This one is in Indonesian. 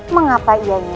mengapa ia ini